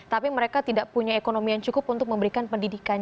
tapi mereka tidak punya ekonomi yang cukup untuk memberikan pendidikan